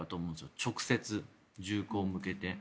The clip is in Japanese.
直接、銃口を向けて。